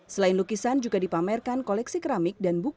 selain lukisan juga dipamerkan koleksi keramik dan lukisan yang berbeda